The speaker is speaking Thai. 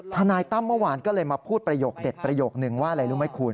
ทนายตั้มเมื่อวานก็เลยมาพูดประโยคเด็ดประโยคนึงว่าอะไรรู้ไหมคุณ